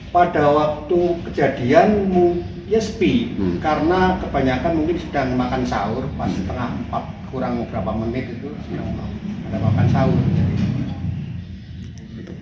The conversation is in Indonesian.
pada waktu kejadian ya sepi karena kebanyakan mungkin sedang makan sahur pas setengah empat kurang berapa menit itu sedang makan sahur